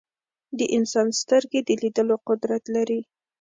د انسان سترګې د لیدلو قدرت لري.